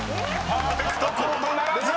［パーフェクトコードならず！］